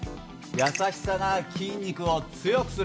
優しさが筋肉を強くする！